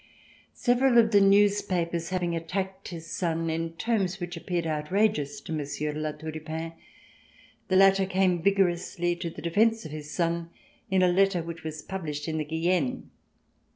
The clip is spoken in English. Several of the newspapers having attacked his son in terms which appeared outrageous to Monsieur de La Tour du Pin, the latter came vigorously to the defence of his son in a letter which was published by the "Guyenne."